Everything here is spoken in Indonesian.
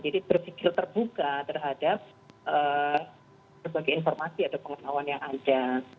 jadi berpikir terbuka terhadap berbagai informasi atau pengetahuan yang ada